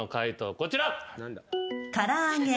こちら。